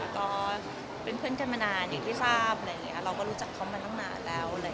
ก็เป็นเพื่อนกันมานานอยู่ที่ทราบเราก็รู้จักเขามานานแล้ว